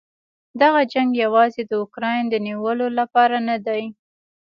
دغه جنګ یواځې د اوکراین د نیولو لپاره نه دی.